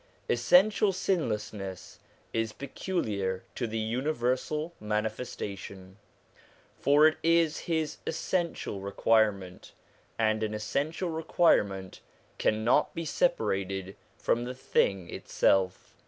Essential sinlessness is peculiar to the universal Mani festation, for it is his essential requirement, and an essential requirement cannot be separated from the thing itself.